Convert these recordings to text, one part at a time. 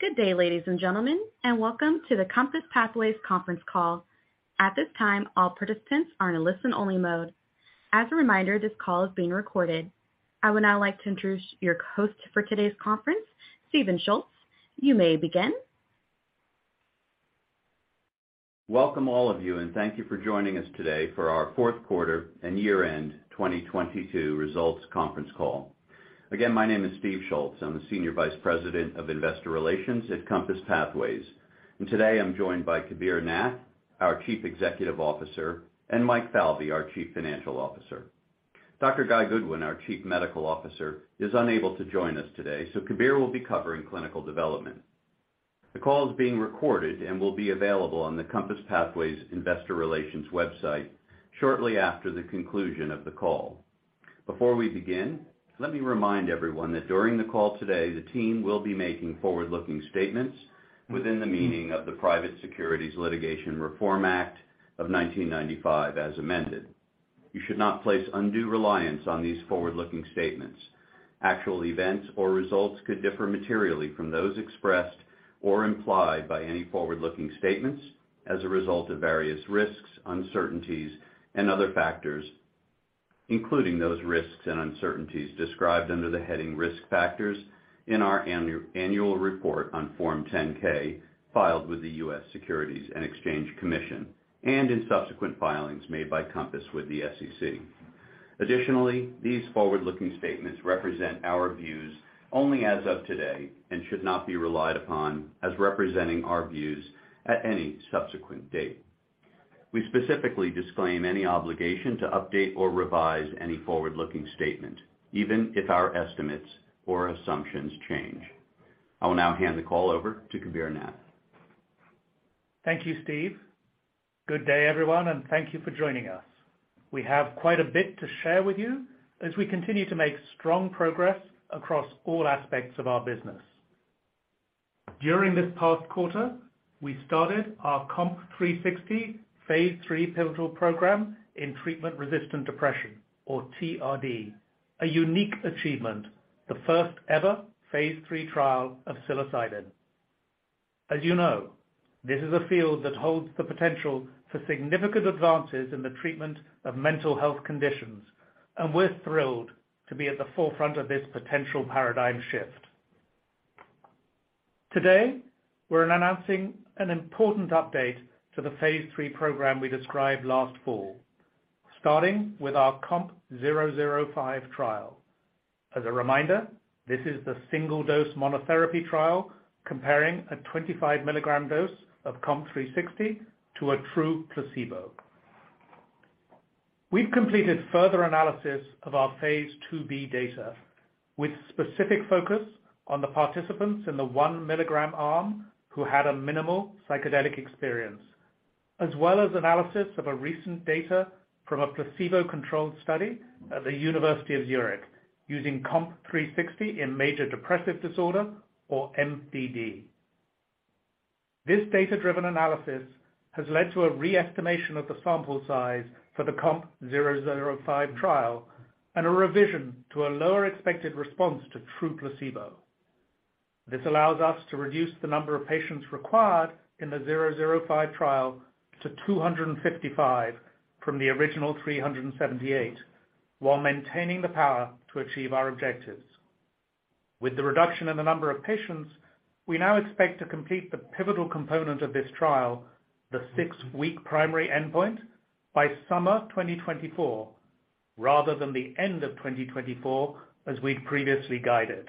Good day, ladies and gentlemen, welcome to the COMPASS Pathways conference call. At this time, all participants are in a listen-only mode. As a reminder, this call is being recorded. I would now like to introduce your host for today's conference, Steven Schultz. You may begin. Welcome all of you, thank you for joining us today for our Q4 and year-end 2022 results conference call. Again, my name is Steve Schultz. I'm the Senior Vice President of Investor Relations at COMPASS Pathways. Today I'm joined by Kabir Nath, our Chief Executive Officer, and Mike Falvey, our Chief Financial Officer. Dr. Guy Goodwin, our Chief Medical Officer, is unable to join us today, so Kabir will be covering clinical development. The call is being recorded and will be available on the COMPASS Pathways investor relations website shortly after the conclusion of the call. Before we begin, let me remind everyone that during the call today, the team will be making forward-looking statements within the meaning of the Private Securities Litigation Reform Act of 1995, as amended. You should not place undue reliance on these forward-looking statements. Actual events or results could differ materially from those expressed or implied by any forward-looking statements as a result of various risks, uncertainties, and other factors, including those risks and uncertainties described under the heading Risk Factors in our annual report on Form 10-K filed with the U.S. Securities and Exchange Commission, and in subsequent filings made by Compass with the SEC. These forward-looking statements represent our views only as of today and should not be relied upon as representing our views at any subsequent date. We specifically disclaim any obligation to update or revise any forward-looking statement, even if our estimates or assumptions change. I will now hand the call over to Kabir Nath. Thank you, Steve. Good day, everyone, and thank you for joining us. We have quite a bit to share with you as we continue to make strong progress across all aspects of our business. During this past quarter, we started our COMP360 phase III pivotal program in treatment-resistant depression, or TRD, a unique achievement, the first ever phase III trial of psilocybin. As you know, this is a field that holds the potential for significant advances in the treatment of mental health conditions, and we're thrilled to be at the forefront of this potential paradigm shift. Today, we're announcing an important update to the phase III program we described last fall, starting with our COMP005 trial. As a reminder, this is the single-dose monotherapy trial comparing a 25 milligram dose of COMP360 to a true placebo. We've completed further analysis of our phase II-B data with specific focus on the participants in the 1 milligram arm who had a minimal psychedelic experience, as well as analysis of a recent data from a placebo-controlled study at the University of Zurich using COMP360 in major depressive disorder or MDD. This data-driven analysis has led to a re-estimation of the sample size for the COMP005 trial and a revision to a lower expected response to true placebo. This allows us to reduce the number of patients required in the 005 trial to 255 from the original 378 while maintaining the power to achieve our objectives. With the reduction in the number of patients, we now expect to complete the pivotal component of this trial, the six week primary endpoint, by summer 2024, rather than the end of 2024 as we'd previously guided.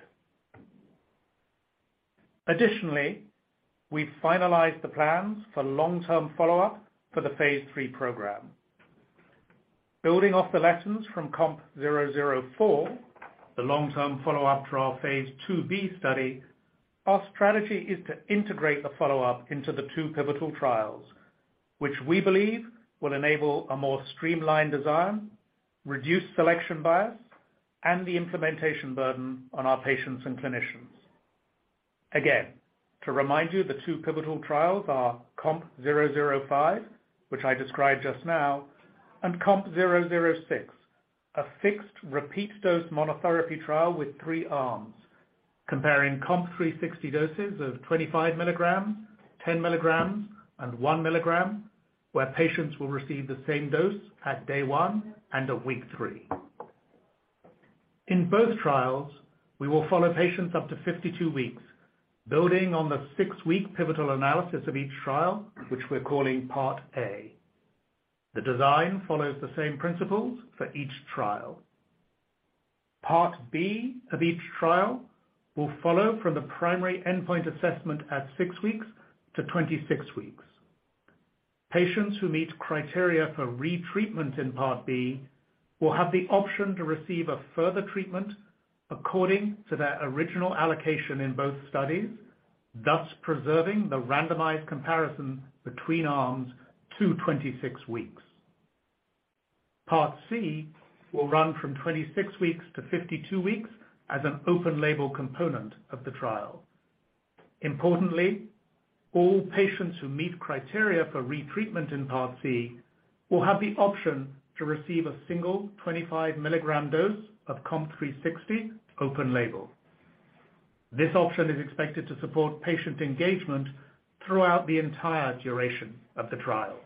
We finalized the plans for long-term follow-up for the phase III program. Building off the lessons from COMP004, the long-term follow-up trial phase II-B study, our strategy is to integrate the follow-up into the two pivotal trials, which we believe will enable a more streamlined design, reduce selection bias, and the implementation burden on our patients and clinicians. To remind you, the two pivotal trials are COMP005, which I described just now, and COMP006, a fixed repeat dose monotherapy trial with three arms comparing COMP360 doses of 25 milligrams, 10 milligrams, and 1 milligram, where patients will receive the same dose at day one and at week three. In both trials, we will follow patients up to 52 weeks building on the six week pivotal analysis of each trial, which we're calling Part A. The design follows the same principles for each trial. Part B of each trial will follow from the primary endpoint assessment at 6 weeks-26 weeks. Patients who meet criteria for retreatment in Part B will have the option to receive a further treatment according to their original allocation in both studies, thus preserving the randomized comparison between arms to 26 weeks. Part C will run from 26 weeks to 52 weeks as an open label component of the trial. Importantly, all patients who meet criteria for retreatment in Part C will have the option to receive a single 25 milligram dose of COMP360 open label. This option is expected to support patient engagement throughout the entire duration of the trials.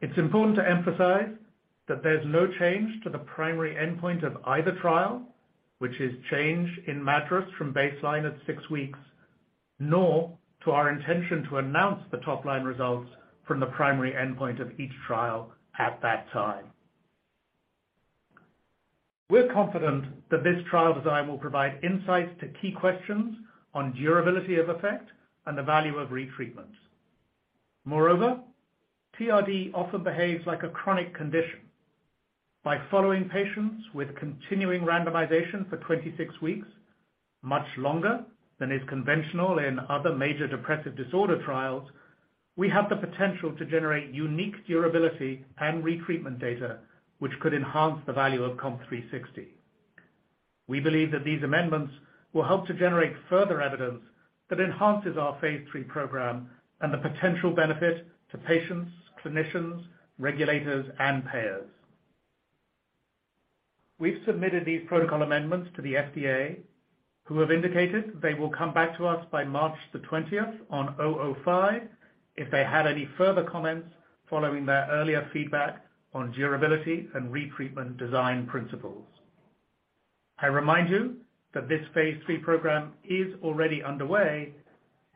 It's important to emphasize that there's no change to the primary endpoint of either trial, which is change in MADRS from baseline at six weeks, nor to our intention to announce the top-line results from the primary endpoint of each trial at that time. We're confident that this trial design will provide insights to key questions on durability of effect and the value of retreatment. Moreover, TRD often behaves like a chronic condition. By following patients with continuing randomization for 26 weeks, much longer than is conventional in other major depressive disorder trials, we have the potential to generate unique durability and retreatment data which could enhance the value of COMP360. We believe that these amendments will help to generate further evidence that enhances our phase III program and the potential benefit to patients, clinicians, regulators, and payers. We've submitted these protocol amendments to the FDA, who have indicated they will come back to us by March 20th on 005 if they have any further comments following their earlier feedback on durability and retreatment design principles. I remind you that this phase III program is already underway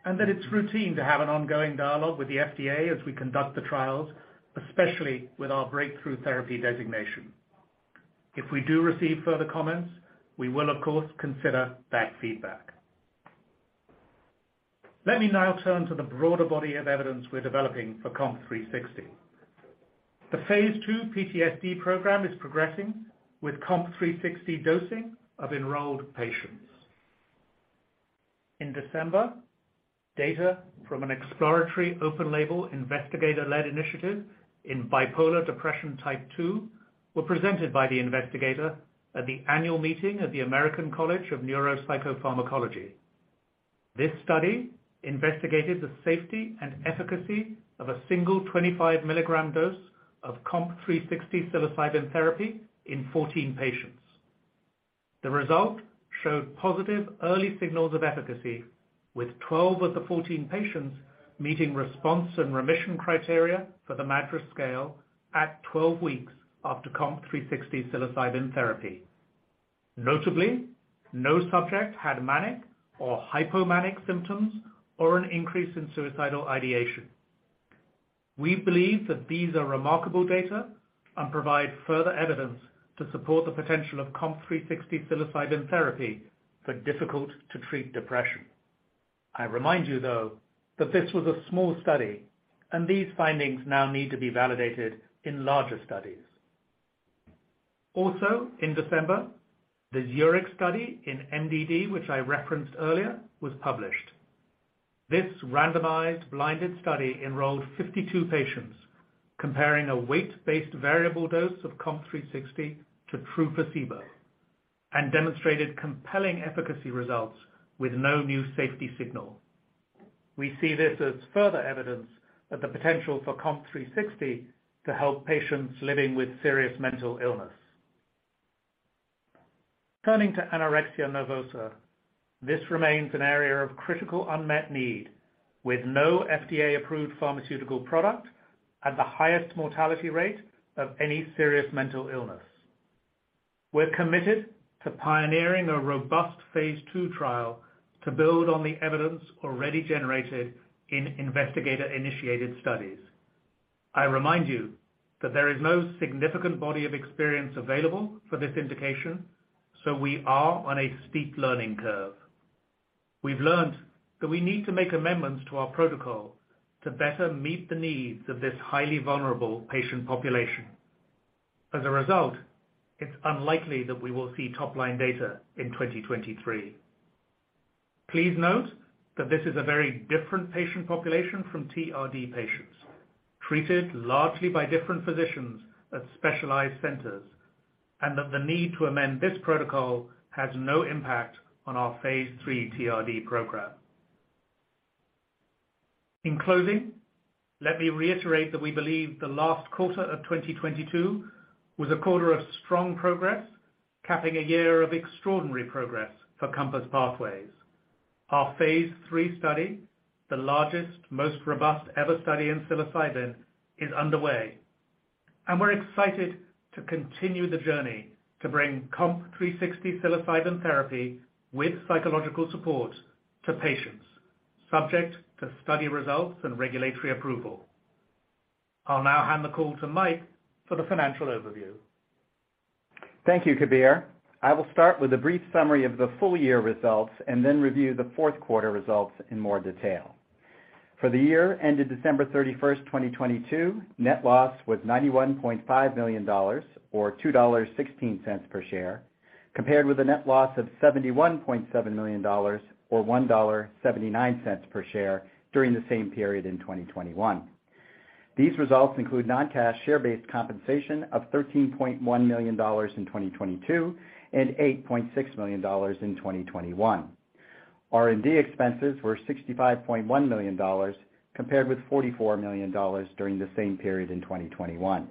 and that it's routine to have an ongoing dialogue with the FDA as we conduct the trials, especially with our Breakthrough Therapy designation. If we do receive further comments, we will of course consider that feedback. Let me now turn to the broader body of evidence we're developing for COMP360. The Phase II-PTSD program is progressing with COMP360 dosing of enrolled patients. In December, data from an exploratory open label investigator-led initiative in bipolar depression type two were presented by the investigator at the annual meeting of the American College of Neuropsychopharmacology. This study investigated the safety and efficacy of a single 25 milligram dose of COMP360 psilocybin therapy in 14 patients. The result showed positive early signals of efficacy with 12 of the 14 patients meeting response and remission criteria for the MADRS scale at 12 weeks after COMP360 psilocybin therapy. Notably, no subject had manic or hypomanic symptoms or an increase in suicidal ideation. We believe that these are remarkable data and provide further evidence to support the potential of COMP360 psilocybin therapy for difficult to treat depression. I remind you, though, that this was a small study and these findings now need to be validated in larger studies. In December, the University of Zurich study in MDD, which I referenced earlier, was published. This randomized blinded study enrolled 52 patients comparing a weight-based variable dose of COMP360 to true placebo and demonstrated compelling efficacy results with no new safety signal. We see this as further evidence of the potential for COMP360 to help patients living with serious mental illness. Turning to anorexia nervosa, this remains an area of critical unmet need with no FDA-approved pharmaceutical product at the highest mortality rate of any serious mental illness. We're committed to pioneering a robust phase II trial to build on the evidence already generated in investigator-initiated studies. I remind you that there is no significant body of experience available for this indication. We are on a steep learning curve. We've learned that we need to make amendments to our protocol to better meet the needs of this highly vulnerable patient population. As a result, it's unlikely that we will see top-line data in 2023. Please note that this is a very different patient population from TRD patients, treated largely by different physicians at specialized centers. The need to amend this protocol has no impact on our phase III-TRD program. In closing, let me reiterate that we believe the last quarter of 2022 was a quarter of strong progress, capping a year of extraordinary progress for COMPASS Pathways. Our phase III study, the largest, most robust ever study in psilocybin, is underway. We're excited to continue the journey to bring COMP360 psilocybin therapy with psychological support to patients subject to study results and regulatory approval. I'll now hand the call to Mike for the financial overview. Thank you, Kabir. I will start with a brief summary of the full year results and then review the Q4 results in more detail. For the year ended December 31, 2022, net loss was $91.5 million or $2.16 per share, compared with a net loss of $71.7 million or $1.79 per share during the same period in 2021. These results include non-cash share-based compensation of $13.1 million in 2022 and $8.6 million in 2021. R&D expenses were $65.1 million compared with $44 million during the same period in 2021.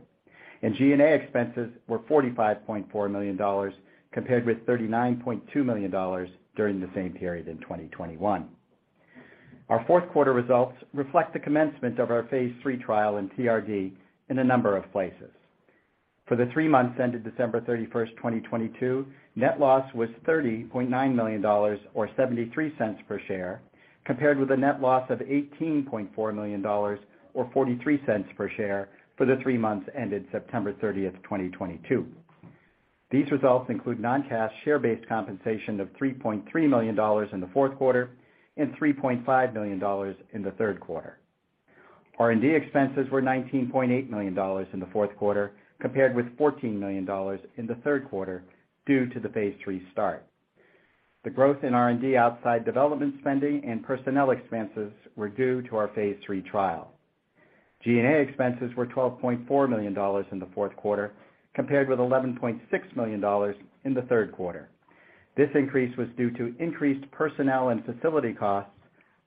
G&A expenses were $45.4 million compared with $39.2 million during the same period in 2021. Our Q4 results reflect the commencement of our Phase IIIthreetrial in TRD in a number of places. For three months ended December 31, 2022, net loss was $30.9 million or $0.73 per share, compared with a net loss of $18.4 million or $0.43 per share for the three months ended September 30, 2022. These results include non-cash share-based compensation of $3.3 million in the Q4 and $3.5 million in the Q3. R&D expenses were $19.8 million in the Q4, compared with $14 million in the Q3 due to the Phase III start. The growth in R&D outside development spending and personnel expenses were due to our Phase III trial. G&A expenses were $12.4 million in the fourth quarter, compared with $11.6 million in the third quarter. This increase was due to increased personnel and facility costs,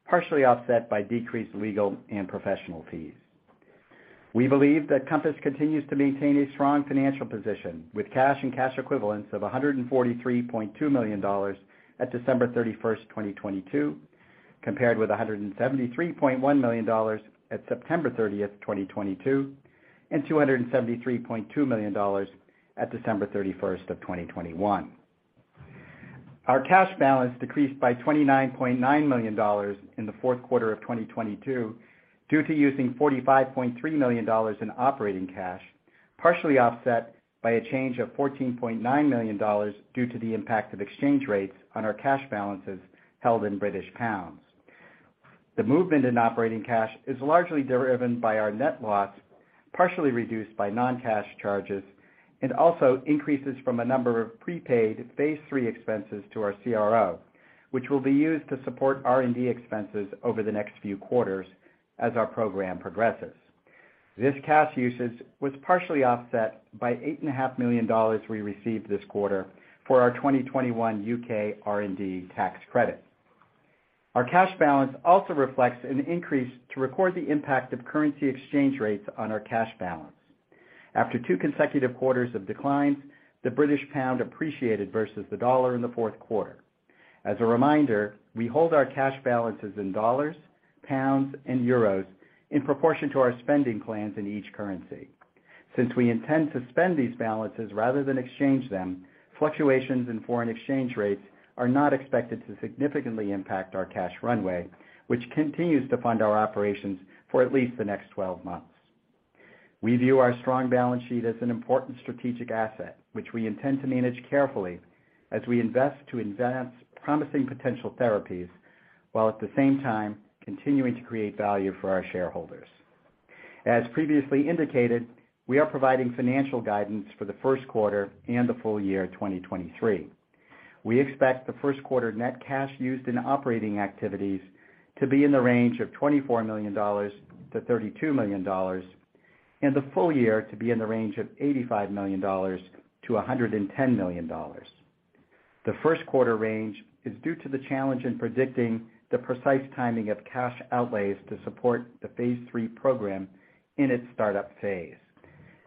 partially offset by decreased legal and professional fees. We believe that COMPASS Pathways continues to maintain a strong financial position, with cash and cash equivalents of $143.2 million at December 31st, 2022, compared with $173.1 million at September 30th, 2022, and $273.2 million at December 31st of 2021. Our cash balance decreased by $29.9 million in the Q4 of 2022 due to using $45.3 million in operating cash, partially offset by a change of $14.9 million due to the impact of exchange rates on our cash balances held in British pounds. The movement in operating cash is largely driven by our net loss, partially reduced by non-cash charges, and also increases from a number of prepaid phase III expenses to our CRO, which will be used to support R&D expenses over the next few quarters as our program progresses. This cash usage was partially offset by $8.5 million we received this quarter for our 2021 U.K. R&D tax credit. Our cash balance also reflects an increase to record the impact of currency exchange rates on our cash balance. After two consecutive quarters of declines, the British pound appreciated versus the dollar in the Q4. As a reminder, we hold our cash balances in dollars, pounds, and euros in proportion to our spending plans in each currency. Since we intend to spend these balances rather than exchange them, fluctuations in foreign exchange rates are not expected to significantly impact our cash runway, which continues to fund our operations for at least the next 12 months. We view our strong balance sheet as an important strategic asset, which we intend to manage carefully as we invest to advance promising potential therapies, while at the same time continuing to create value for our shareholders. As previously indicated, we are providing financial guidance for the Q1 and the full year 2023. We expect the Q1 net cash used in operating activities to be in the range of $24 million-$32 million and the full year to be in the range of $85 million- $110 million. The Q1 range is due to the challenge in predicting the precise timing of cash outlays to support the phase III program in its startup phase.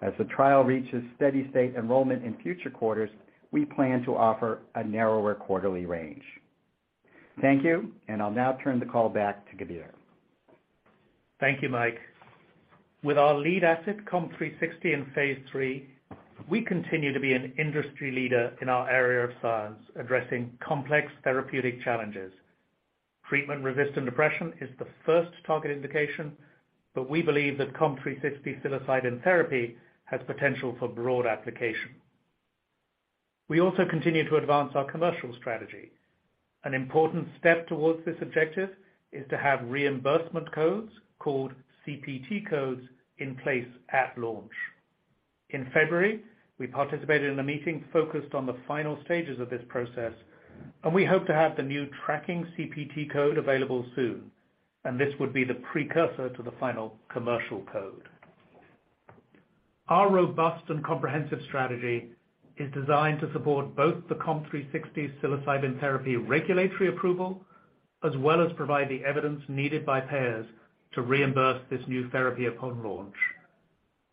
As the trial reaches steady state enrollment in future quarters, we plan to offer a narrower quarterly range. Thank you, and I'll now turn the call back to Kabir. Thank you, Mike. With our lead asset, COMP360 in phase III, we continue to be an industry leader in our area of science, addressing complex therapeutic challenges. Treatment-resistant depression is the first target indication, but we believe that COMP360 psilocybin therapy has potential for broad application. We also continue to advance our commercial strategy. An important step towards this objective is to have reimbursement codes, called CPT codes, in place at launch. In February, we participated in a meeting focused on the final stages of this process. We hope to have the new tracking CPT code available soon. This would be the precursor to the final commercial code. Our robust and comprehensive strategy is designed to support both the COMP360 psilocybin therapy regulatory approval as well as provide the evidence needed by payers to reimburse this new therapy upon launch.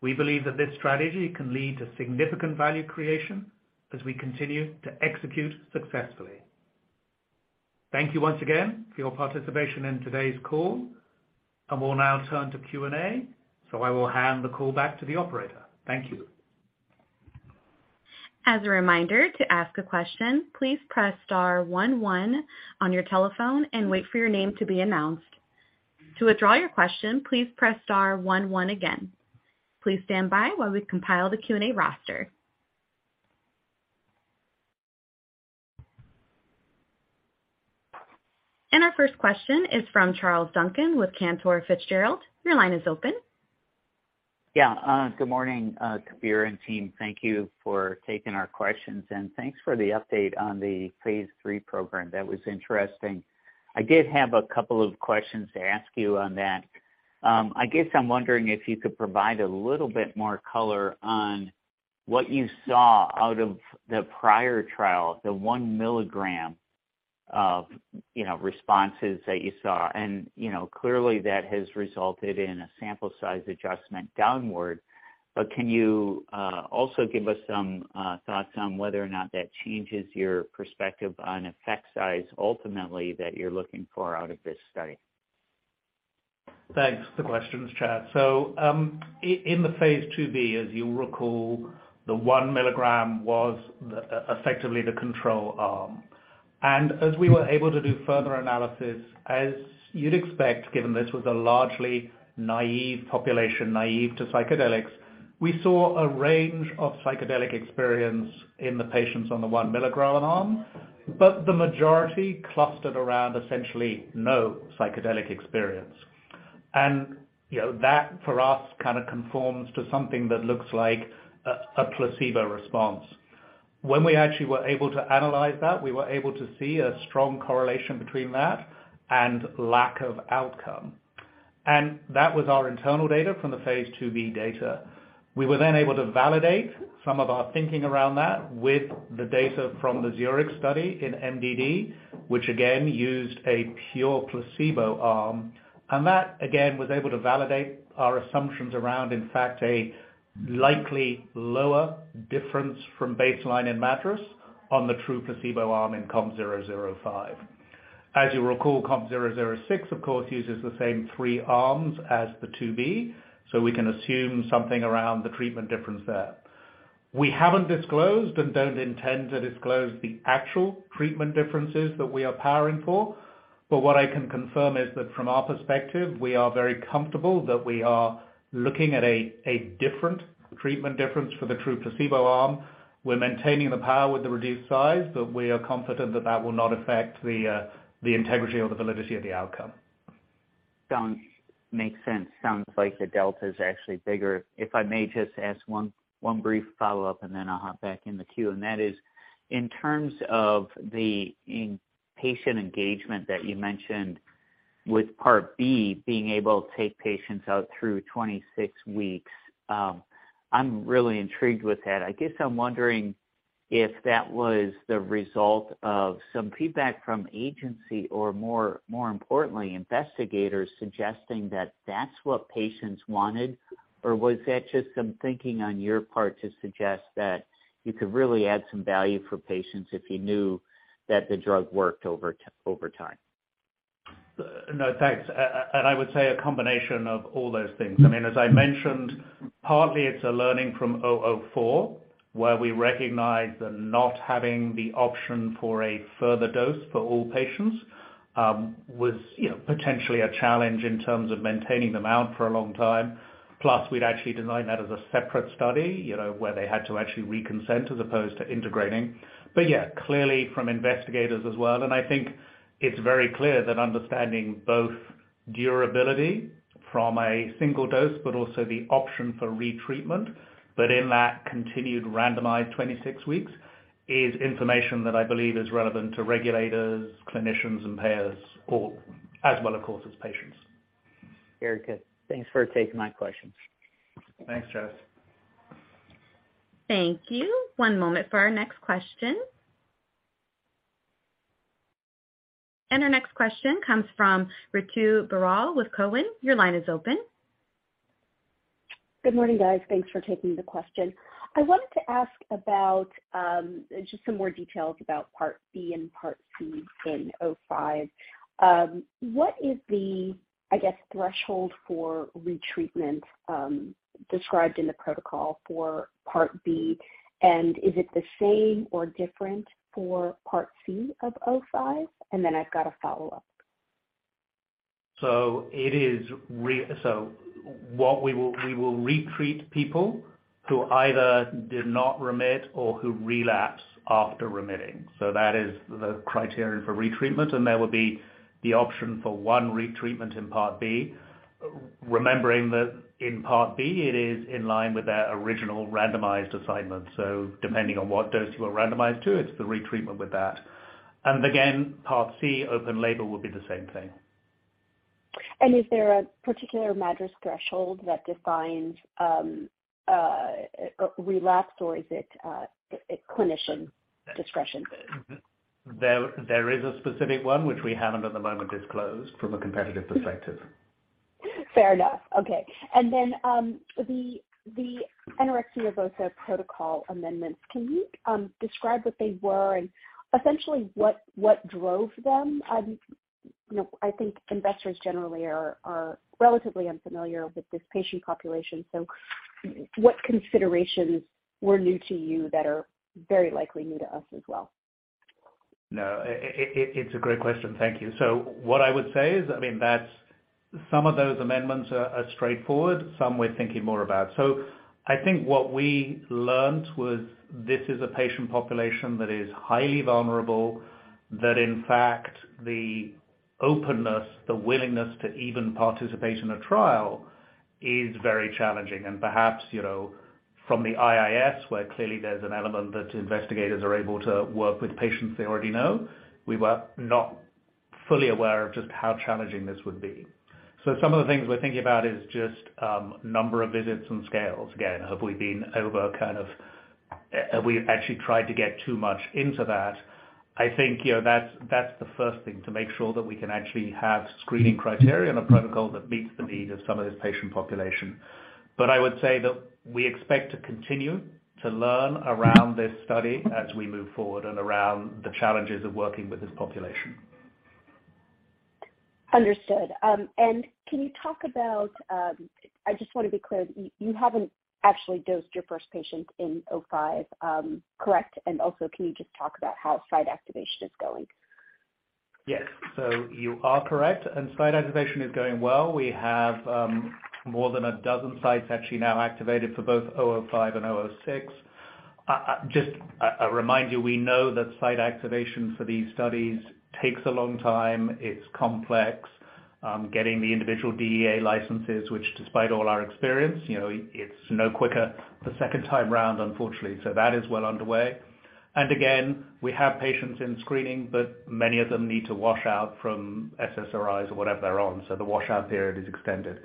We believe that this strategy can lead to significant value creation as we continue to execute successfully. Thank you once again for your participation in today's call. We'll now turn to Q&A, so I will hand the call back to the operator. Thank you. As a reminder, to ask a question, please press star one one on your telephone and wait for your name to be announced. To withdraw your question, please press star one one again. Please stand by while we compile the Q&A roster. Our first question is from Charles Duncan with Cantor Fitzgerald. Your line is open. Yeah. Good morning, Kabir and team. Thank you for taking our questions, and thanks for the update on the phase III program. That was interesting. I did have a couple of questions to ask you on that. I guess I'm wondering if you could provide a little bit more color on what you saw out of the prior trial, the 1 milligram of, you know, responses that you saw. You know, clearly that has resulted in a sample size adjustment downward. Can you also give us some thoughts on whether or not that changes your perspective on effect size ultimately that you're looking for out of this study? Thanks for the questions, Charles. In the phase II-B, as you'll recall, the one milligram was effectively the control arm. As we were able to do further analysis, as you'd expect, given this was a largely naive population, naive to psychedelics, we saw a range of psychedelic experience in the patients on the one milligram arm, but the majority clustered around essentially no psychedelic experience. You know, that for us kind of conforms to something that looks like a placebo response. When we actually were able to analyze that, we were able to see a strong correlation between that and lack of outcome. That was our internal data from the phase II-B data. We were then able to validate some of our thinking around that with the data from the Zurich study in MDD, which again, used a pure placebo arm. That, again, was able to validate our assumptions around, in fact, a likely lower difference from baseline in MADRS on the true placebo arm in COMP005. As you'll recall, COMP006 of course uses the same three arms as the two B, so we can assume something around the treatment difference there. We haven't disclosed and don't intend to disclose the actual treatment differences that we are powering for, but what I can confirm is that from our perspective, we are very comfortable that we are looking at a different treatment difference for the true placebo arm. We're maintaining the power with the reduced size, but we are confident that that will not affect the integrity or the validity of the outcome. Sounds. Makes sense. Sounds like the delta is actually bigger. If I may just ask one brief follow-up, and then I'll hop back in the queue. That is, in terms of the inpatient engagement that you mentioned with part B being able to take patients out through 26 weeks, I'm really intrigued with that. I guess I'm wondering if that was the result of some feedback from agency or more, more importantly, investigators suggesting that that's what patients wanted. Or was that just some thinking on your part to suggest that you could really add some value for patients if you knew that the drug worked over time? No, thanks. I would say a combination of all those things. I mean, as I mentioned, partly it's a learning from COMP004, where we recognized that not having the option for a further dose for all patients was, you know, potentially a challenge in terms of maintaining them out for a long time. We'd actually designed that as a separate study, you know, where they had to actually re-consent as opposed to integrating. Yeah, clearly from investigators as well. I think it's very clear that understanding both durability from a single dose, but also the option for retreatment, but in that continued randomized 26 weeks, is information that I believe is relevant to regulators, clinicians, and payers, all as well, of course, as patients. Very good. Thanks for taking my questions. Thanks, Charles. Thank you. One moment for our next question. Our next question comes from Ritu Baral with Cowen. Your line is open. Good morning, guys. Thanks for taking the question. I wanted to ask about just some more details about part B and part C in 05. What is the, I guess, threshold for retreatment described in the protocol for part B? Is it the same or different for part C of 05? I've got a follow-up. What we will retreat people who either did not remit or who relapse after remitting. That is the criterion for retreatment, and there will be the option for one retreatment in part B. Remembering that in part B, it is in line with their original randomized assignment. Depending on what dose you are randomized to, it's the retreatment with that. Again, part C, open label will be the same thing. Is there a particular MADRS threshold that defines, relapse, or is it, a clinician discretion? There is a specific one which we haven't at the moment disclosed from a competitive perspective. Fair enough. Okay. Then, the anorexia nervosa protocol amendments, can you describe what they were and essentially what drove them? You know, I think investors generally are relatively unfamiliar with this patient population. What considerations were new to you that are very likely new to us as well? No, it's a great question. Thank you. What I would say is, I mean, that's some of those amendments are straightforward. Some we're thinking more about. I think what we learned was this is a patient population that is highly vulnerable, that in fact the openness, the willingness to even participate in a trial is very challenging. Perhaps, you know, from the IIS, where clearly there's an element that investigators are able to work with patients they already know, we were not fully aware of just how challenging this would be. Some of the things we're thinking about is just number of visits and scales. Again, have we been over have we actually tried to get too much into that? I think, you know, that's the first thing, to make sure that we can actually have screening criteria and a protocol that meets the need of some of this patient population. I would say that we expect to continue to learn around this study as we move forward and around the challenges of working with this population. Understood. I just wanna be clear. You haven't actually dosed your first patient in 05, correct? Also, can you just talk about how site activation is going? Yes. You are correct and site activation is going well. We have more than a dozen sites actually now activated for both COMP005 and COMP006. Just a reminder, we know that site activation for these studies takes a long time. It's complex, getting the individual DEA licenses, which despite all our experience, you know, it's no quicker the second time round, unfortunately. That is well underway. Again, we have patients in screening, but many of them need to wash out from SSRIs or whatever they're on, so the washout period is extended.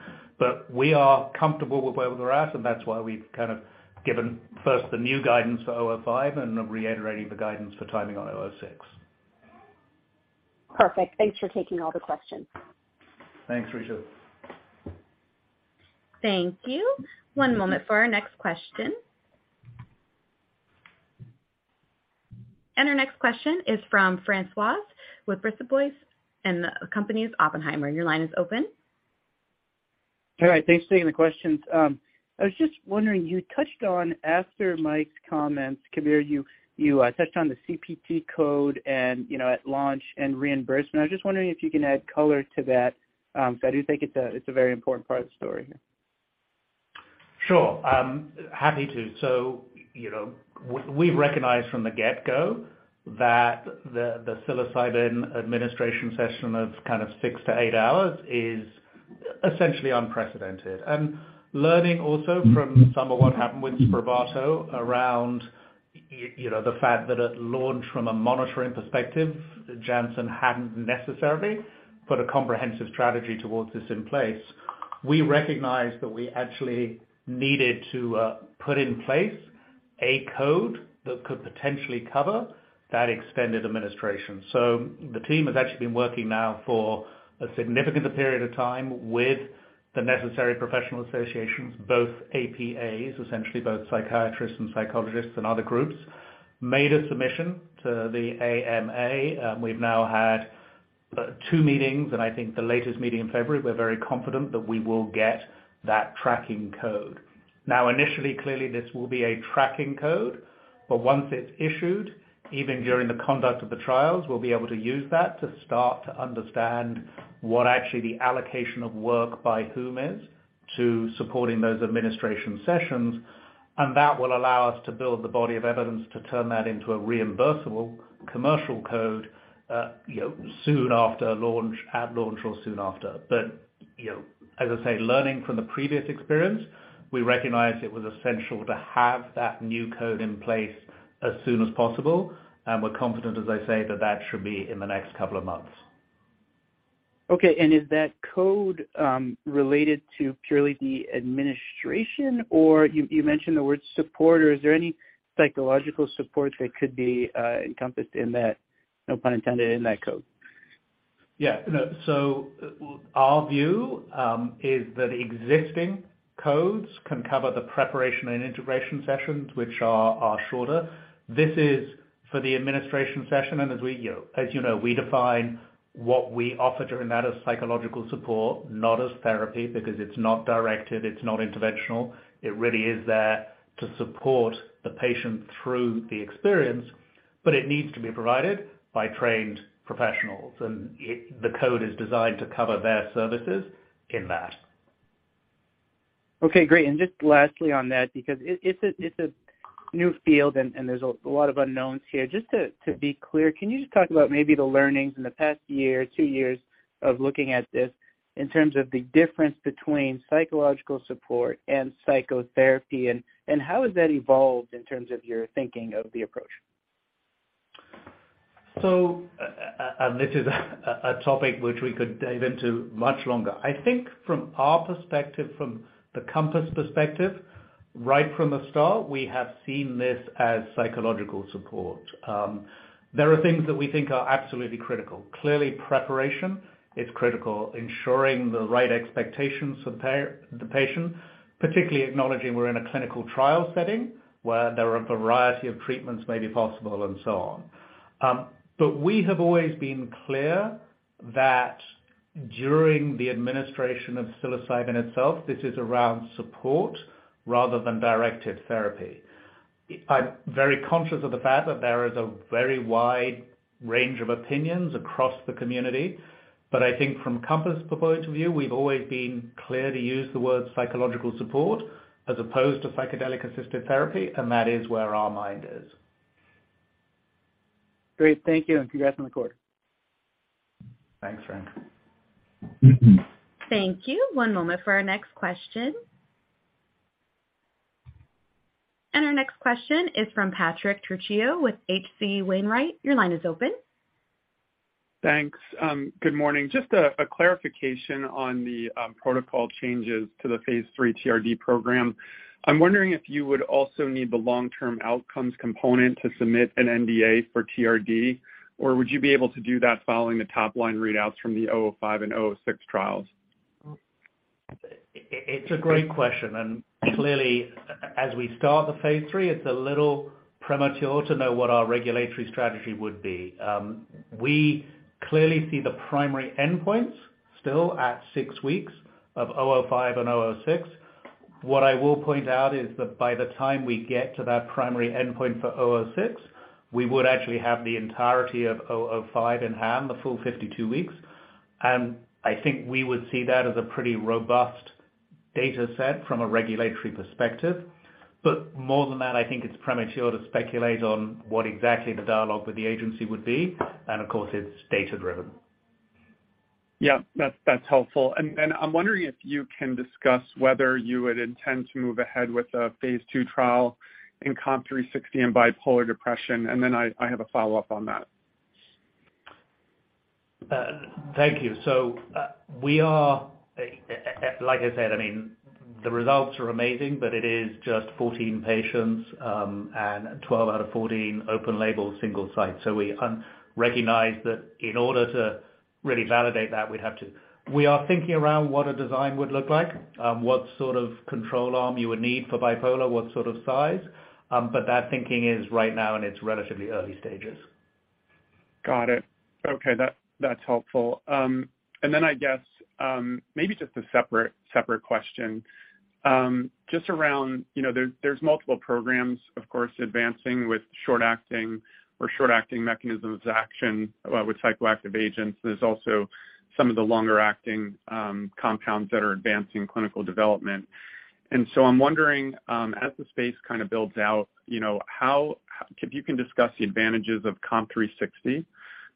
We are comfortable with where we're at, and that's why we've kind of given first the new guidance for COMP005 and reiterating the guidance for timing on COMP006 Perfect. Thanks for taking all the questions. Thanks, Ritu. Thank you. One moment for our next question. Our next question is from Francois Brisebois and the company is Oppenheimer. Your line is open. All right. Thanks for taking the questions. I was just wondering, you touched on, after Mike's comments, Kabir, you touched on the CPT code and, you know, at launch and reimbursement. I was just wondering if you can add color to that, 'cause I do think it's a, it's a very important part of the story here. Sure, happy to. you know, we recognized from the get-go that the psilocybin administration session of kind of 6-8 hours is essentially unprecedented. Learning also from some of what happened with SPRAVATO around you know, the fact that at launch from a monitoring perspective, Janssen hadn't necessarily put a comprehensive strategy towards this in place. We recognized that we actually needed to put in place a code that could potentially cover that extended administration. The team has actually been working now for a significant period of time with the necessary professional associations, both APAs, essentially both psychiatrists and psychologists and other groups, made a submission to the AMA. We've now had two meetings and I think the latest meeting in February, we're very confident that we will get that tracking code. Initially, clearly this will be a tracking code, but once it's issued, even during the conduct of the trials, we'll be able to use that to start to understand what actually the allocation of work by whom is to supporting those administration sessions. That will allow us to build the body of evidence to turn that into a reimbursable commercial code, you know, soon after launch, at launch or soon after. You know, as I say, learning from the previous experience, we recognized it was essential to have that new code in place as soon as possible. We're confident, as I say, that that should be in the next couple of months. Okay. Is that code, related to purely the administration or you mentioned the word support or is there any psychological support that could be encompassed in that, no pun intended, in that code? Yeah. No. Our view is that existing codes can cover the preparation and integration sessions which are shorter. This is for the administration session as we, you know, as you know, we define what we offer during that as psychological support, not as therapy because it's not directed, it's not interventional. It really is there to support the patient through the experience, but it needs to be provided by trained professionals. The code is designed to cover their services in that. Okay, great. Just lastly on that, because it's a new field and there's a lot of unknowns here. Just to be clear, can you just talk about maybe the learnings in the past one year or two years of looking at this in terms of the difference between psychological support and psychotherapy and how has that evolved in terms of your thinking of the approach? This is a topic which we could dive into much longer. I think from our perspective, from the Compass perspective, right from the start, we have seen this as psychological support. There are things that we think are absolutely critical. Clearly preparation is critical, ensuring the right expectations for the patient, particularly acknowledging we're in a clinical trial setting where there are a variety of treatments may be possible and so on. We have always been clear that during the administration of psilocybin itself, this is around support rather than directed therapy. I'm very conscious of the fact that there is a very wide range of opinions across the community, but I think from Compass' point of view, we've always been clear to use the word psychological support as opposed to psychedelic-assisted therapy, and that is where our mind is. Great. Thank you, and congrats on the quarter. Thanks, Frank. Thank you. One moment for our next question. Our next question is from Patrick Trucchio with H.C. Wainwright. Your line is open. Thanks. Good morning. Just a clarification on the protocol changes to the phase III-TRD program. I'm wondering if you would also need the long-term outcomes component to submit an NDA for TRD, or would you be able to do that following the top-line readouts from the 005 and 006 trials? It's a great question. Clearly, as we start the phase III, it's a little premature to know what our regulatory strategy would be. We clearly see the primary endpoints still at six weeks of 005 and 006. What I will point out is that by the time we get to that primary endpoint for 006, we would actually have the entirety of 005 in hand, the full 52 weeks. I think we would see that as a pretty robust data set from a regulatory perspective. More than that, I think it's premature to speculate on what exactly the dialogue with the agency would be. Of course, it's data driven. Yeah, that's helpful. I'm wondering if you can discuss whether you would intend to move ahead with a phase II trial in COMP360 and bipolar depression. I have a follow-up on that. Thank you. We are, like I said, I mean, the results are amazing, but it is just 14 patients, and 12 out of 14 open label single site. We recognize that in order to really validate that, we'd have to. We are thinking around what a design would look like, what sort of control arm you would need for bipolar, what sort of size. That thinking is right now in its relatively early stages. Got it. Okay. That's helpful. I guess, maybe just a separate question. Just around, you know, there's multiple programs, of course, advancing with short acting or short acting mechanisms action, with psychoactive agents. There's also some of the longer acting compounds that are advancing clinical development. I'm wondering, as the space kind of builds out, you know, if you can discuss the advantages of COMP360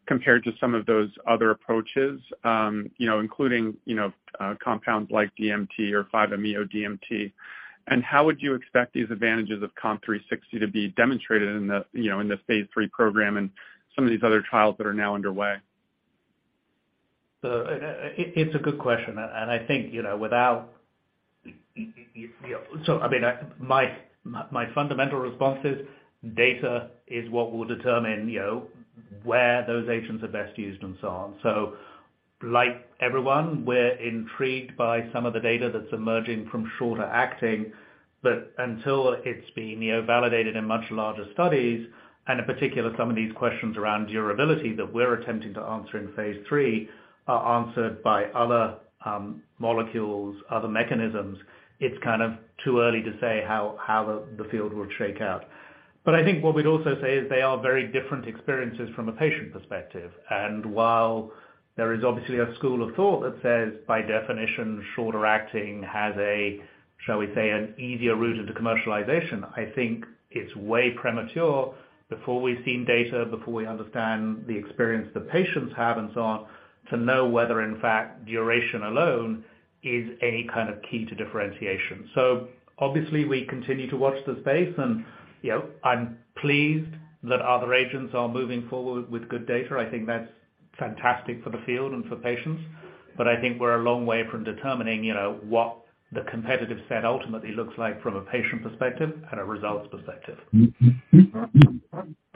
compared to some of those other approaches, you know, including, you know, compounds like DMT or 5-MeO-DMT. How would you expect these advantages of COMP360 to be demonstrated in the, you know, phase III program and some of these other trials that are now underway? It's a good question. I think, you know, without you know, so I mean, I, my fundamental response is data is what will determine, you know, where those agents are best used and so on. Like everyone, we're intrigued by some of the data that's emerging from shorter acting, but until it's been, you know, validated in much larger studies, and in particular, some of these questions around durability that we're attempting to answer in phase III are answered by other molecules, other mechanisms, it's kind of too early to say how the field will shake out. I think what we'd also say is they are very different experiences from a patient perspective. While there is obviously a school of thought that says, by definition, shorter acting has a, shall we say, an easier route into commercialization, I think it's way premature before we've seen data, before we understand the experience that patients have and so on, to know whether in fact duration alone is any kind of key to differentiation. Obviously we continue to watch the space and, you know, I'm pleased that other agents are moving forward with good data. I think that's fantastic for the field and for patients. I think we're a long way from determining, you know, what the competitive set ultimately looks like from a patient perspective and a results perspective.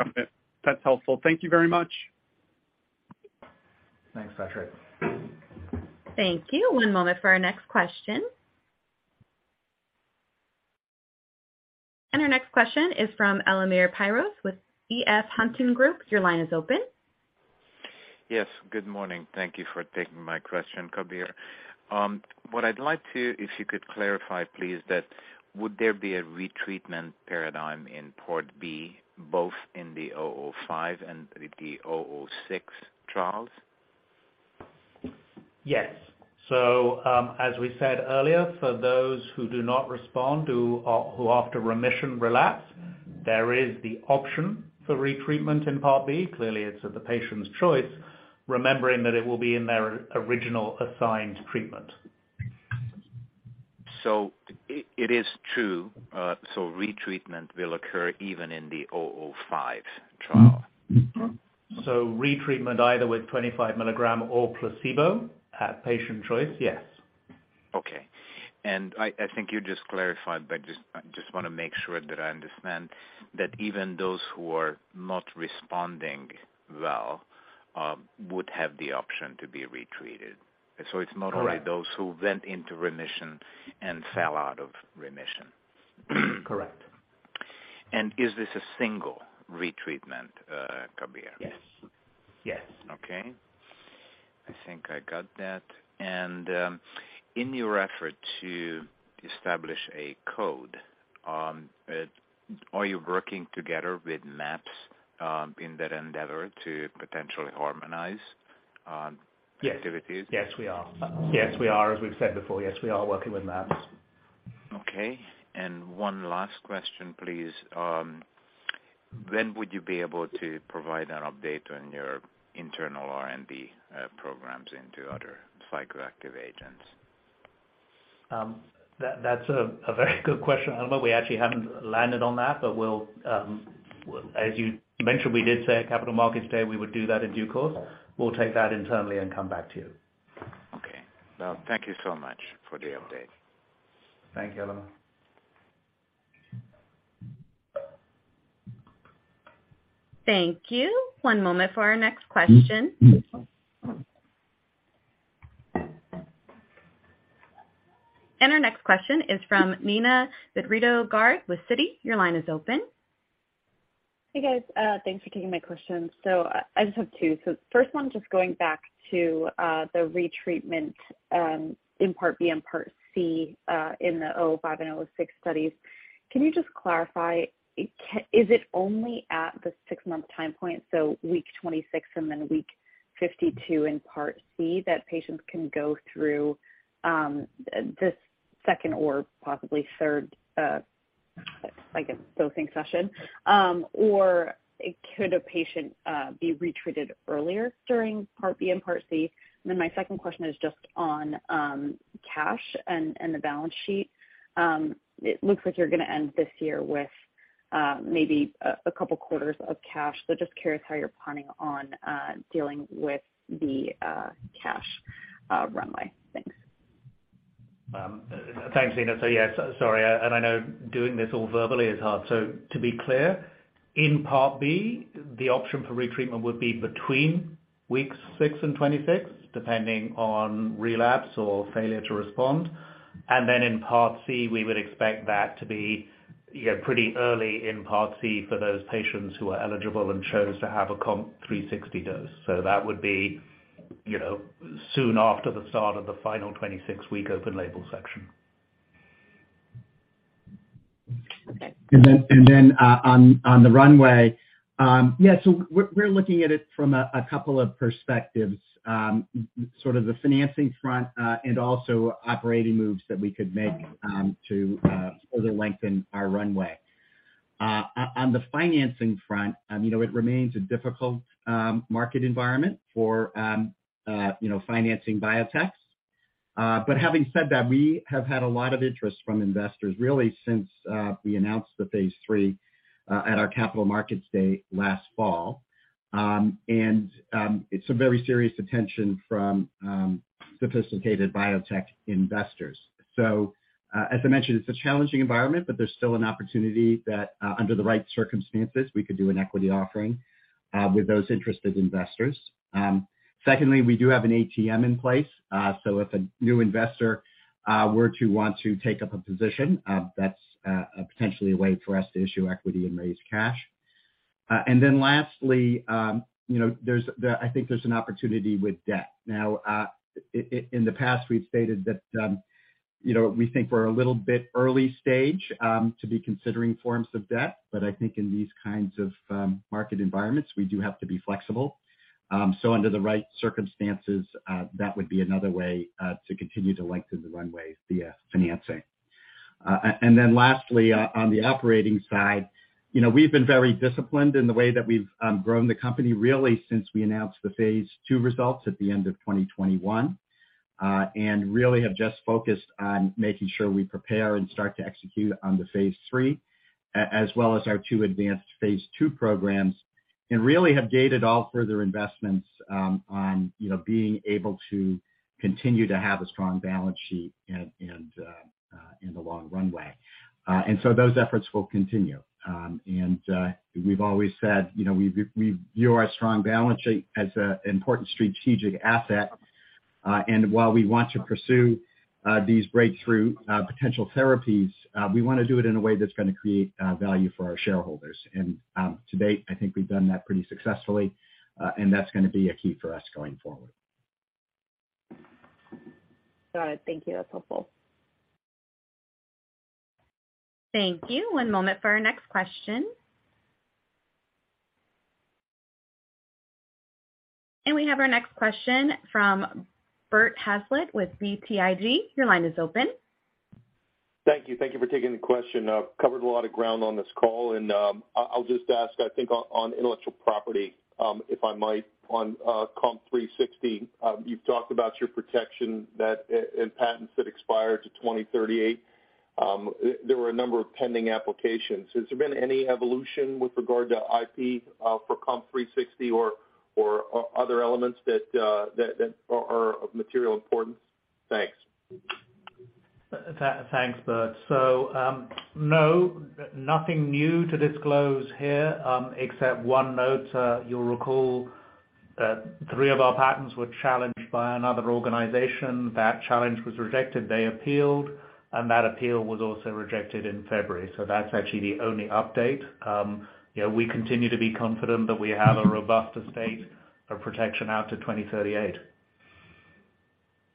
Okay. That's helpful. Thank you very much. Thanks, Patrick. Thank you. One moment for our next question. Our next question is from Elemer Piros with EF Hutton. Your line is open. Yes. Good morning. Thank you for taking my question, Kabir. What I'd like to, if you could clarify please that would there be a retreatment paradigm in Port B, both in the 005 and the 006 trials? Yes. As we said earlier, for those who do not respond, who after remission relapse, there is the option for retreatment in Part B. Clearly it's at the patient's choice, remembering that it will be in their original assigned treatment. It is true, retreatment will occur even in the 005 trial? Retreatment either with 25 milligram or placebo at patient choice, yes. Okay. I think you just clarified, but I just wanna make sure that I understand that even those who are not responding well, would have the option to be retreated. So it's not- Correct. only those who went into remission and fell out of remission. Correct. Is this a single retreatment, Kabir? Yes. Yes. Okay. I think I got that. In your effort to establish a code, are you working together with MAPS in that endeavor to potentially harmonize activities? Yes. Yes, we are. As we've said before, yes, we are working with MAPS. Okay. One last question, please. When would you be able to provide an update on your internal R&D programs into other psychoactive agents? That's a very good question, Elemer. We actually haven't landed on that, but we'll, as you mentioned, we did say at Capital Markets Day, we would do that in due course. We'll take that internally and come back to you. Well, thank you so much for the update. Thank you, Elemer. Thank you. One moment for our next question. Our next question is from Neena Bitritto-Garg with Citi. Your line is open. Hey, guys. Thanks for taking my question. I just have two. First one, just going back to the retreatment in Part B and Part C in the COMP005 and COMP006 studies. Can you just clarify, is it only at the sixmonth time point, so week 26 and then week 52 in Part C that patients can go through this second or possibly third like a dosing session? Or could a patient be retreated earlier during Part B and Part C? My second question is just on cash and the balance sheet. It looks like you're gonna end this year with maybe a quarters of cash. Just curious how you're planning on dealing with the cash runway. Thanks. Thanks, Nina. Yes, sorry. I know doing this all verbally is hard. To be clear, in Part B, the option for retreatment would be between weeks 6 and 26, depending on relapse or failure to respond. In Part C, we would expect that to be, you know, pretty early in Part C for those patients who are eligible and chose to have a COMP360 dose. That would be, you know, soon after the start of the final 26-week open label section. Okay. Then, on the runway. Yeah. We're looking at it from a couple of perspectives. Sort of the financing front, and also operating moves that we could make to further lengthen our runway. On the financing front, you know, it remains a difficult market environment for, you know, financing biotechs. Having said that, we have had a lot of interest from investors really since we announced the Phase III at our Capital Markets Day last fall. It's a very serious attention from sophisticated biotech investors. As I mentioned, it's a challenging environment, but there's still an opportunity that under the right circumstances, we could do an equity offering with those interested investors. Secondly, we do have an ATM in place. If a new investor were to want to take up a position, that's potentially a way for us to issue equity and raise cash. Lastly, you know, I think there's an opportunity with debt. Now, in the past, we've stated that, you know, we think we're a little bit early stage to be considering forms of debt, but I think in these kinds of market environments, we do have to be flexible. Under the right circumstances, that would be another way to continue to lengthen the runway via financing. Lastly, on the operating side, you know, we've been very disciplined in the way that we've grown the company really since we announced the phase II results at the end of 2021. Really have just focused on making sure we prepare and start to execute on the phase III as well as our two advanced phase II programs, and really have gated all further investments on, you know, being able to continue to have a strong balance sheet and in the long runway. Those efforts will continue. We've always said, you know, we view our strong balance sheet as an important strategic asset. While we want to pursue these breakthrough potential therapies, we wanna do it in a way that's gonna create value for our shareholders. To date, I think we've done that pretty successfully, and that's gonna be a key for us going forward. Got it. Thank you. That's helpful. Thank you. One moment for our next question. We have our next question from Bert Hazlett with BTIG. Your line is open. Thank you. Thank you for taking the question. Covered a lot of ground on this call, and I'll just ask, I think on intellectual property, if I might, on COMP360. You've talked about your protection in patents that expire to 2038. There were a number of pending applications. Has there been any evolution with regard to IP for COMP360 or other elements that are of material importance? Thanks. Thanks, Bert. No, nothing new to disclose here, except one note. You'll recall that three of our patents were challenged by another organization. That challenge was rejected, they appealed, and that appeal was also rejected in February. That's actually the only update. You know, we continue to be confident that we have a robust estate of protection out to 2038.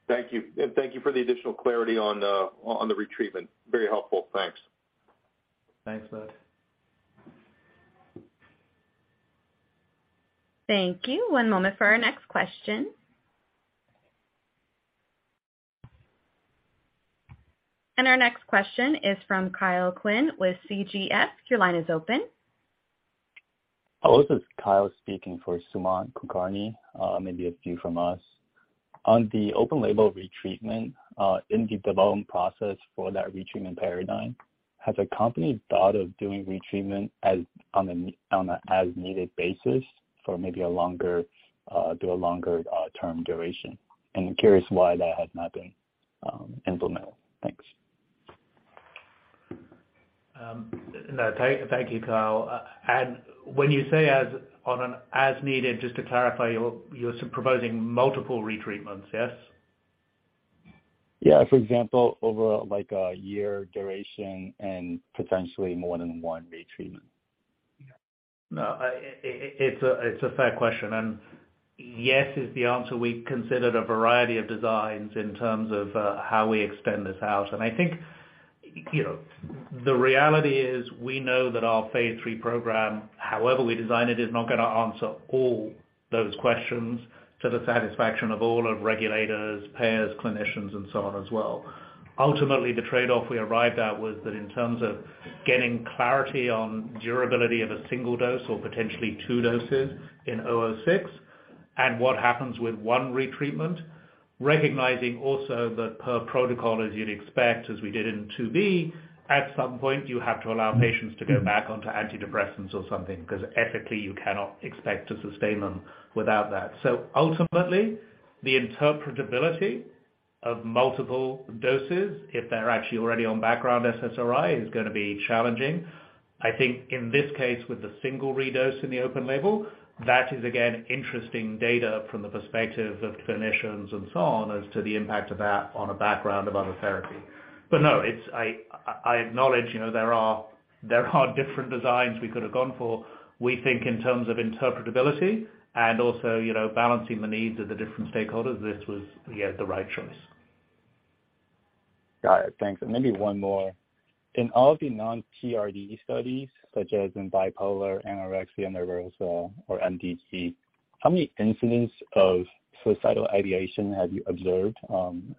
Thank you. Thank you for the additional clarity on on the retreatment. Very helpful. Thanks. Thanks, Bert. Thank you. One moment for our next question. Our next question is from Kyle Quinn with CGS. Your line is open. This is Kyle speaking for Sumant Kulkarni. Maybe a few from us. On the open label retreatment, in the development process for that retreatment paradigm, has the company thought of doing retreatment as on an as-needed basis for maybe a longer term duration? I'm curious why that has not been implemented. Thanks. No. Thank you, Kyle. When you say as on an as needed, just to clarify, you're proposing multiple retreatments, yes? Yeah. For example, over like a year duration and potentially more than one retreatment. No, it's a fair question, and yes is the answer. We considered a variety of designs in terms of how we extend this out. I think, you know, the reality is we know that our phase III program, however we design it, is not gonna answer all those questions to the satisfaction of all of regulators, payers, clinicians and so on as well. Ultimately, the trade-off we arrived at was that in terms of getting clarity on durability of a one dose or potentially two doses in COMP006 and what happens with one retreatment. Recognizing also that per protocol as you'd expect as we did in II-B, at some point you have to allow patients to go back onto antidepressants or something, because ethically you cannot expect to sustain them without that. Ultimately, the interpretability of multiple doses if they're actually already on background SSRI is going to be challenging. I think in this case with the single redose in the open label, that is again interesting data from the perspective of clinicians and so on as to the impact of that on a background of other therapy. No, it's, I acknowledge, you know, there are different designs we could have gone for. We think in terms of interpretability and also, you know, balancing the needs of the different stakeholders, this was, yeah, the right choice. Got it. Thanks. Maybe one more. In all of the non-TRD studies, such as in bipolar, anorexia nervosa or MDD, how many incidents of suicidal ideation have you observed,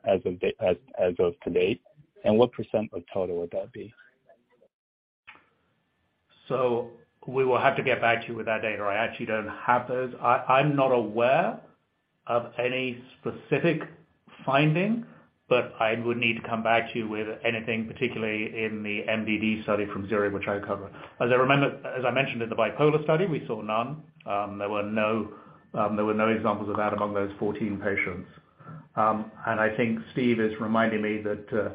as of to date, and what percent of total would that be? We will have to get back to you with that data. I actually don't have those. I'm not aware of any specific finding, but I would need to come back to you with anything, particularly in the MDD study from Zurich, which I cover. As I remember, as I mentioned in the bipolar study, we saw none. There were no examples of that among those 14 patients. I think Steve is reminding me that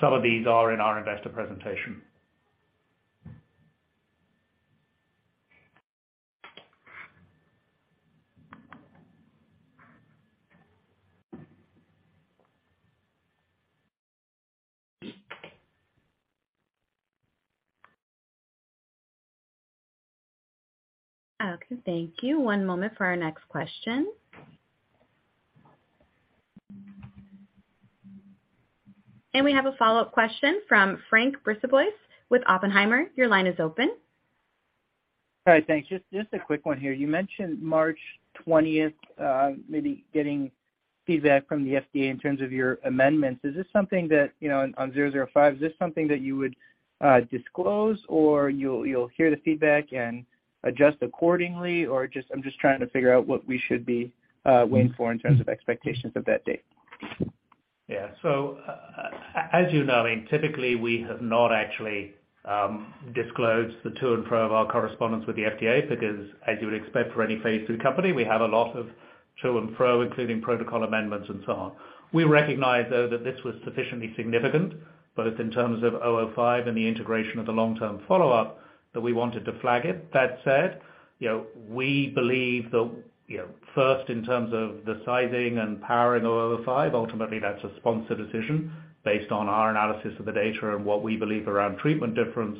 some of these are in our investor presentation. Okay, thank you. One moment for our next question. We have a follow-up question from François Brisebois with Oppenheimer. Your line is open. All right, thanks. Just a quick one here. You mentioned March 20th, maybe getting feedback from the FDA in terms of your amendments. Is this something that, you know, on 005, is this something that you would disclose or you'll hear the feedback and adjust accordingly or just. I'm just trying to figure out what we should be waiting for in terms of expectations of that date. Yeah. As you know, I mean typically we have not actually disclosed the to and fro of our correspondence with the FDA because as you would expect for any phase II company, we have a lot of to and fro, including protocol amendments and so on. We recognize though that this was sufficiently significant, both in terms of COMP005 and the integration of the long-term follow-up, that we wanted to flag it. That said, you know, we believe that, you know, first in terms of the sizing and powering of COMP005, ultimately that's a sponsor decision based on our analysis of the data and what we believe around treatment difference.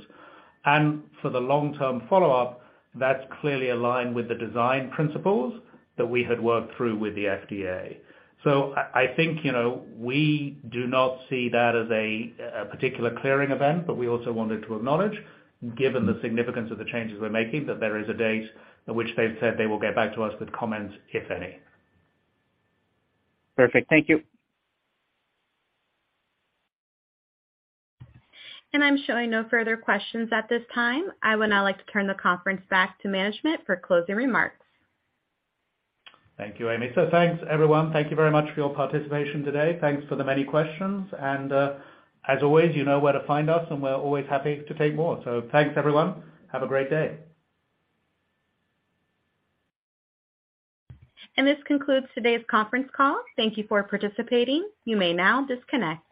For the long-term follow-up, that's clearly aligned with the design principles that we had worked through with the FDA. I think, you know, we do not see that as a particular clearing event, but we also wanted to acknowledge, given the significance of the changes we're making, that there is a date at which they've said they will get back to us with comments, if any. Perfect. Thank you. I'm showing no further questions at this time. I would now like to turn the conference back to management for closing remarks. Thank you, Amy. Thanks everyone. Thank you very much for your participation today. Thanks for the many questions and, as always, you know where to find us and we're always happy to take more. Thanks everyone. Have a great day. This concludes today's conference call. Thank you for participating. You may now disconnect.